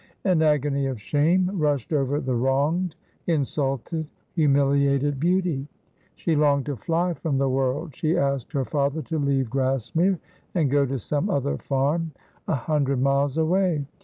An agony of shame rushed over the wronged, insulted, humiliated beauty. She longed to fly from the world. She asked her father to leave Grassmere and go to some other farm a hundred miles away.